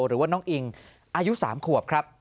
หรือว่าน้องอิงอายุ๓ขวบครับ